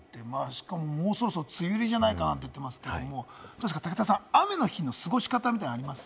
しかも、もうそろそろ梅雨入りじゃないかって言われてますけれども、雨の日の過ごし方ってあります？